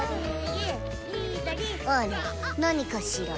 あら何かしら？